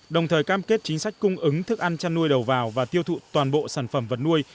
đồng thời cam kết chính sách cung ứng thức ăn chăn nuôi đầu vào và tiêu thụ toàn bộ sản phẩm vật nuôi